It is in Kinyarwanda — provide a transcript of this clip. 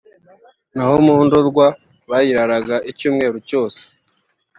naho mu Ndorwa bayiraraga icyumweru cyose